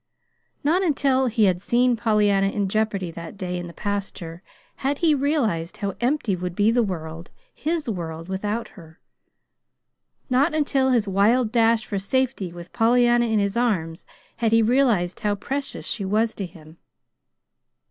Not until he had seen Pollyanna in jeopardy that day in the pasture had he realized how empty would be the world his world without her. Not until his wild dash for safety with Pollyanna in his arms had he realized how precious she was to him.